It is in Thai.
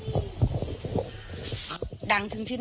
เขาก็ว่ามันทำให้หมู่บ้านเสื่อมเสียง